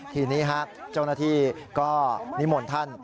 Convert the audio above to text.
ทีนี้เจ้าหน้าที่ก็นิมนต์ท่าน